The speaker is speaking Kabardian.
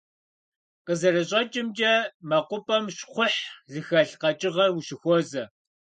КъызэрыщӀэкӀымкӀэ, мэкъупӀэм щхъухь зыхэлъ къэкӀыгъэ ущыхуозэ.